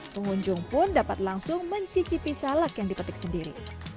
pengunjung pun dapat langsung mencicipi salak yang dipetik sendiri